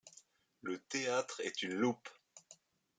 Le théâtre est une loupe.